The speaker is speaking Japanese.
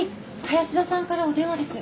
林田さんからお電話です。